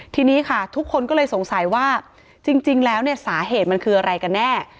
ทีนี้ค่ะทุกคนก็เลยสงสัยว่าจริงแล้วเนี่ยสาเหตุมันคืออะไรกันแน่